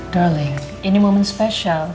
darling ini momen spesial